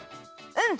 うん！